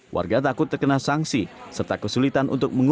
warga takut terkena sanksi serta kesulitan untuk mengurus